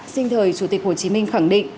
sinh thời chủ tịch hồ chí minh khẳng định